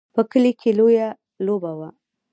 په کلي کې لویه لوبه وه.